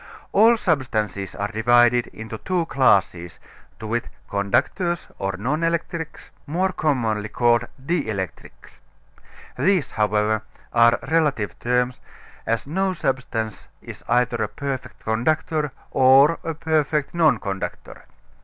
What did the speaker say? All substances are divided into two classes, to wit, conductors or non electrics, and non conductors or electrics, more commonly called dielectrics. These, however, are relative terms, as no substance is either a perfect conductor or a perfect non conductor.